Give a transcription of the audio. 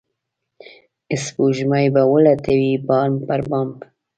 سپوږمۍ به ولټوي بام پر بام